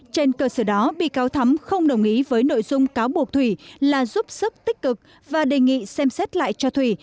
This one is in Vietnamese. trên cơ sở đó bị cáo thắm không đồng ý với nội dung cáo buộc thủy là giúp sức tích cực và đề nghị xem xét lại cho thủy